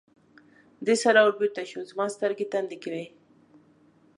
دې سره ور بېرته شو، زما سترګې تندې کې وې.